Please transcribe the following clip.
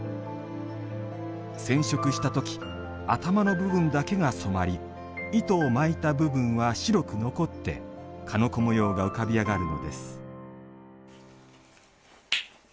染色した時頭の部分だけが染まり糸を巻いた部分は白く残って鹿の子模様が浮かび上がるのです。